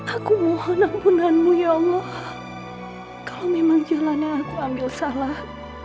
aku mohon ampunanmu ya allah kalau memang jalan yang aku ambil salah